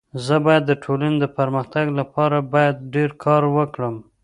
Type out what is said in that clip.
زه بايد د ټولني د پرمختګ لپاره باید ډير کار وکړم.